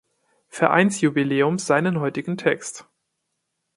Vereinsjubiläums seinen heutigen Text.